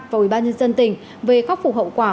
và ubnd tỉnh về khắc phục hậu quả